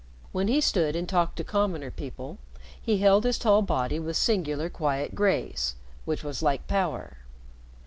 When he stood and talked to commoner people, he held his tall body with singular quiet grace which was like power.